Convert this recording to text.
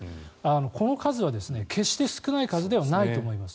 この数は決して少ない数ではないと思います。